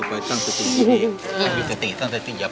ขอบคุณผู้ดูแลของพี่เซฟ